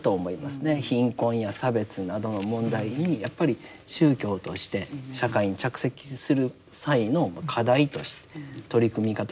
貧困や差別などの問題にやっぱり宗教として社会に着席する際の課題として取り組み方。